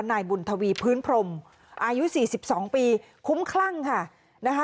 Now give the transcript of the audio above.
นายบุญทวีพื้นพรมอายุ๔๒ปีคุ้มคลั่งค่ะนะคะ